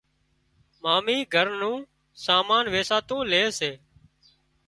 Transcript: مامي گھر نُون سامان ويساتو لي سي